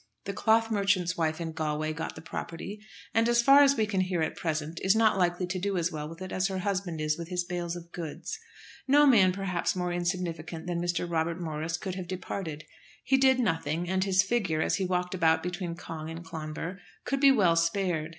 The cloth merchant's wife in Galway got the property; and, as far as we can hear at present, is not likely to do as well with it as her husband is with his bales of goods. No man perhaps more insignificant than Mr. Robert Morris could have departed. He did nothing, and his figure, as he walked about between Cong and Clonbur, could be well spared.